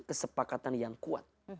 kesepakatan yang kuat